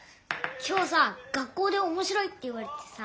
今日さ学校でおもしろいって言われてさ。